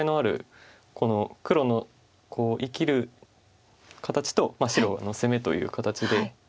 この黒の生きる形と白の攻めという形で。